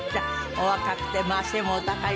お若くてまあ背もお高い。